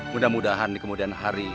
mudah mudahan kemudian hari